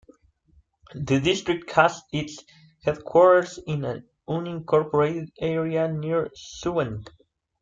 The district has its headquarters in an unincorporated area near Suwanee.